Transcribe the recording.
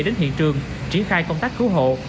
đến hiện trường triển khai công tác cứu hộ